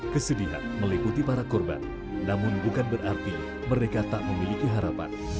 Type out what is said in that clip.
kesedihan meliputi para korban namun bukan berarti mereka tak memiliki harapan